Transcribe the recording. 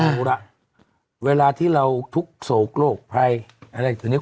อ๋อรู้ล่ะเวลาที่เราทุกษโศกโรคไพรอะไรอย่างนี้